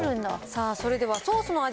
さあ、それではソースの味